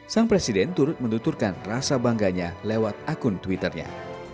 sang presiden turut menuturkan rasa bangganya lewat akun twitternya